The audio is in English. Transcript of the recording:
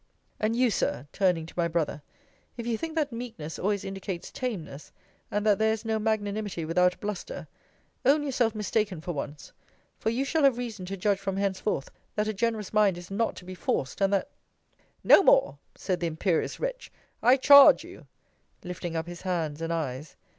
And you, Sir, turning to my brother, if you think that meekness always indicates tameness; and that there is no magnanimity without bluster; own yourself mistaken for once: for you shall have reason to judge from henceforth, that a generous mind is not to be forced; and that No more, said the imperious wretch, I charge you, lifting up his hands and eyes.